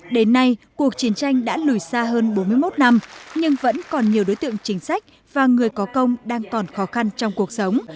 đến nay cuộc chiến tranh đã lùi xa hơn bốn mươi một năm nhưng vẫn còn nhiều đối tượng chính sách và người có công đang còn khó khăn trong cuộc sống